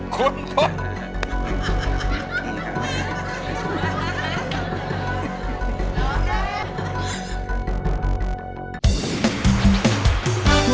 คุณพนธ์